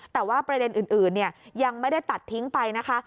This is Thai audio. แต่ว่าประเด็นอื่นยังไม่ได้ตัดทิ้งไปนะคะ